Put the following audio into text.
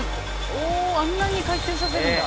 「おおあんなに回転させるんだ」